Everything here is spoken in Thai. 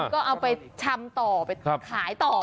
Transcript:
ก็เอาไปชำต่อไปขายต่อ